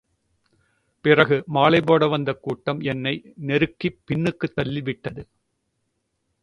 பிறகு மாலை போட வந்த கூட்டம் என்னை நெருக்கிப் பின்னுக்குத்தள்ளிவிட்டது.